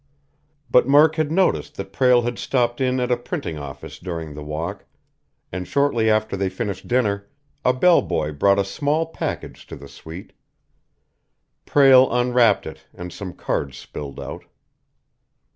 But Murk had noticed that Prale had stopped in at a printing office during the walk, and shortly after they finished dinner, a bell boy brought a small package to the suite. Prale unwrapped it, and some cards spilled out.